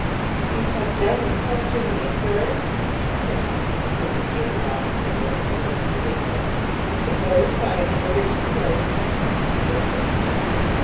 "If you have done insulting me, sir," said Harker, as soon as he and the officer were left alone with the dead man, "I suppose I am at liberty to go?" "Yes."